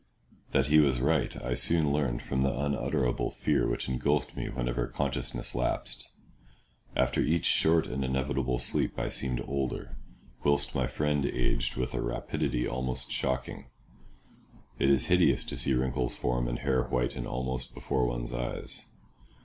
That he was right, I soon learned from the unutterable fear which engulfed me whenever consciousness lapsed. After each short and inevitable sleep I seemed older, whilst my friend aged with a rapidity almost shocking. It is hideous to see wrinkles form and hair whiten almost before one's eyes.